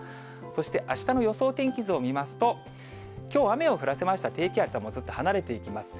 そして、あしたの予想天気図を見ますと、きょう雨を降らせました低気圧は、ずっと離れていきます。